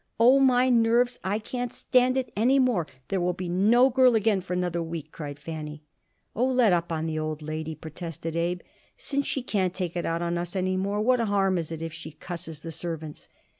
"Oh, my nerves! I can't stand it any more! There will be no girl again for another week," cried Fanny. "Oh, let up on the old lady," protested Abe. "Since she can't take it out on us any more, what harm is it if she cusses the servants?"